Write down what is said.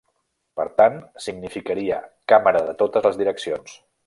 Per tant significaria càmera de totes les direccions.